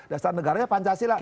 dasar negaranya pancasila